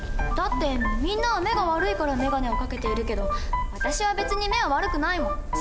だってみんなは目が悪いからメガネをかけているけど私は別に目は悪くないもん。